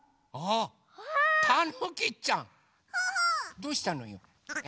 どうしたのよ？え？